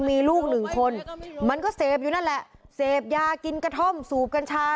มีลูกหนึ่งคนมันก็เสพอยู่นั่นแหละเสพยากินกระท่อมสูบกัญชา